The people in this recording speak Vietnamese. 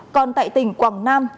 còn tại tỉnh quảng nam